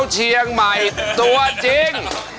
วันที่เธอพบมันใจฉัน